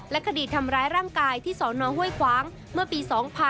คดีทำร้ายร่างกายที่สนห้วยขวางเมื่อปี๒๕๕๘